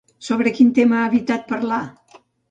Sobre quin tema ha evitat parlar?